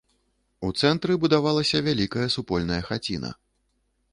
У цэнтры будавалася вялікая супольная хаціна.